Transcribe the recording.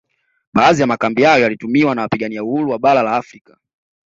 Baadhi ya makambi hayo yaliyotumiwa na wapigania uhuru wa bara la Afrika